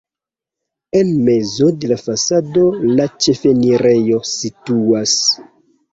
En mezo de la fasado la ĉefenirejo situas.